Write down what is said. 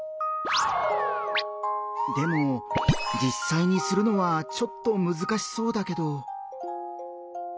でもじっさいにするのはちょっとむずかしそうだけど。